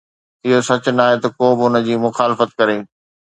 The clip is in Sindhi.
اهو سچ ناهي ته ڪو به ان جي مخالفت ڪري.